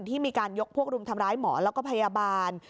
ที่มีการยกพวกรุมทำร้ายหมอแล้วก็พยาบาล